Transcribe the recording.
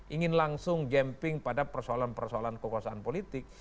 ingin langsung jemping pada persoalan persoalan kekuasaan politik